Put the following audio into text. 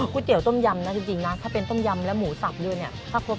ก๋วยเตี๋ยวต้มยำน่ะจริงจริงน่ะถ้าเป็นต้มยำแล้วหมูสับด้วยเนี้ยถ้าควบ